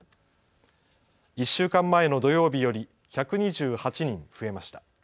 １週間前の土曜日より１２８人増えました。